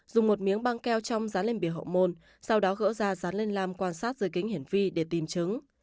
dùng một miếng băng keo trong dán lên bỉa hậu môn sau đó gỡ ra dán lên lam quan sát dưới kính hiển vi để tìm chứng